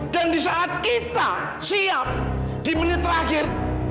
dan di saat kita siap di menit terakhir